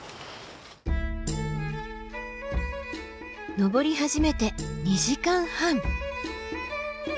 登り始めて２時間半。